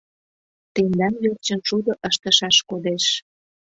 Тендан верчын шудо ыштышаш кодеш...